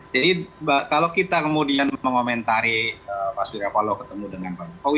jadi kalau kita kemudian memomentari pak surya waloh ketemu dengan pak sugeng